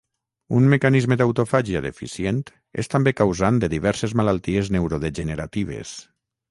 Un mecanisme d'autofàgia deficient és també causant de diferents malalties neurodegeneratives.